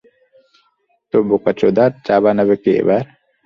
তোহ বোকাচোদা, চা বানাবে কে এবার?